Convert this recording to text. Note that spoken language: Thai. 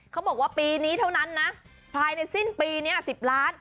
เขาบอกว่าปีนี้เท่านั้นนะภายในสิ้นปีนี้๑๐ล้าน